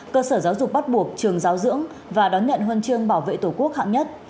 cơ sở giáo dục bắt buộc trường giáo dưỡng và đón nhận huân chương bảo vệ tổ quốc hạng nhất